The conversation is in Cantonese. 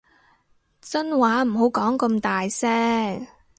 真話唔好講咁大聲